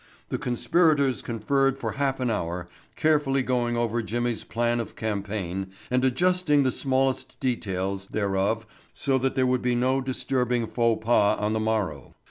The conspirators conferred for a half an hour, carefully going over Jimmy's plan of campaign and adjusting the smallest details thereof so that there would be no disturbing faux pas on the morrow.